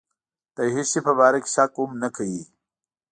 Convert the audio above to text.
د هېڅ شي په باره کې شک هم نه کوي.